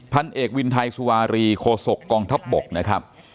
พันธุ์เอกวินไทยสุวารีโคศกกองทัพปก